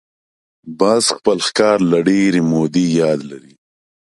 باز خپل ښکار له ډېرې مودې یاد لري